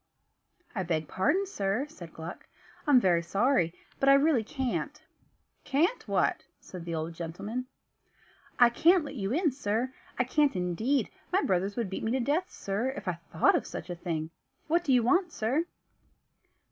"I beg pardon, sir," said Gluck, "I'm very sorry, but I really can't." "Can't what?" said the old gentleman. "I can't let you in, sir I can't indeed; my brothers would beat me to death, sir, if I thought of such a thing. What do you want, sir?"